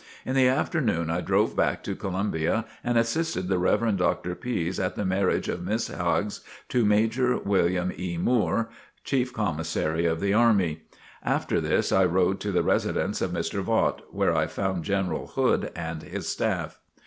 In the afternoon I drove back to Columbia and assisted the Rev. Dr. Pise at the marriage of Miss Hages to Major William E. Moore, Chief Commissary of the Army. After this I rode to the residence of Mr. Vaught, where I found General Hood and his staff.